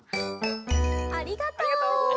ありがとう。